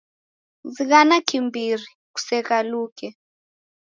Zighana kiimbiri, kuseghaluke